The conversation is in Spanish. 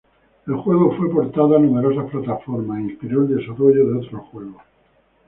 El juego fue portado a numerosas plataformas e inspiró el desarrollo de otros juegos.